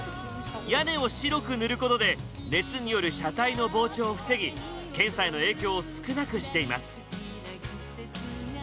屋根を白く塗ることで熱による車体の膨張を防ぎ検査への影響を少なくしています。